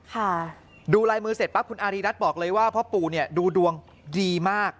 ค่ะดูลายมือเสร็จปั๊บคุณอารีรัฐบอกเลยว่าพ่อปู่เนี่ยดูดวงดีมาก